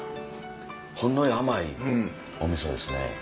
ほんのり甘いお味噌ですね。